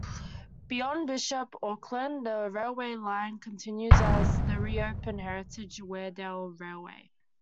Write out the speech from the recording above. Beyond Bishop Auckland, the railway line continues as the re-opened heritage Weardale Railway.